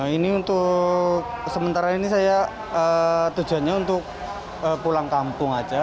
ini untuk sementara ini saya tujuannya untuk pulang kampung aja